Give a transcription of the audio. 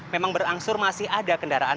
memang berangsur masih ada kendaraan